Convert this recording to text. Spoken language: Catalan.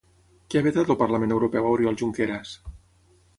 Què ha vetat el Parlament Europeu a Oriol Junqueras?